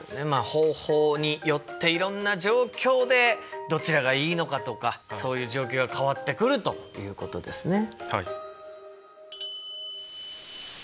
方法によっていろんな状況でどちらがいいのかとかそういう状況が変わってくるということですね。